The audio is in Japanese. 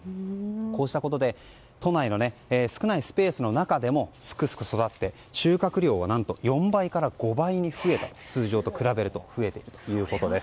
こうしたことで都内の少ないスペースの中でもすくすく育って収穫量は何と４倍から５倍に通常と比べると増えているということです。